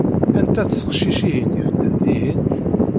Anta-tt teqcict-ihin ibeddin dihin?